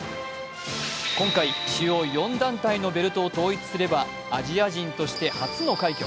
今回、主要４団体のベルトを統一すればアジア人として初の快挙。